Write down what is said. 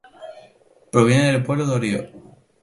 Proviene del pueblo dorio.